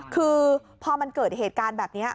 คือพอมันเกิดเหตุการณ์แบบนี้